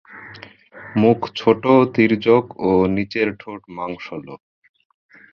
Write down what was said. মুখ ছোট, তির্যক ও নিচের ঠোঁট মাংসল।